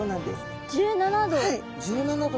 １７℃！